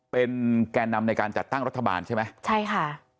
เป็นแก่นำในการจัดตั้งรัฐบาลใช่ไหมใช่ค่ะ